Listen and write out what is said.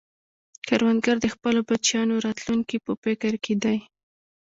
کروندګر د خپلو بچیانو راتلونکې په فکر کې دی